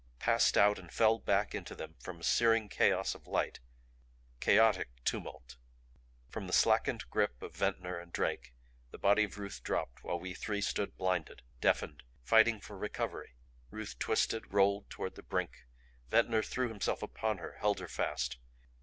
Passed out and fell back into them from a searing chaos of light, chaotic tumult. From the slackened grip of Ventnor and Drake the body of Ruth dropped while we three stood blinded, deafened, fighting for recovery. Ruth twisted, rolled toward the brink; Ventnor threw himself upon her, held her fast.